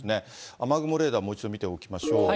雨雲レーダー、もう一度見ておきましょう。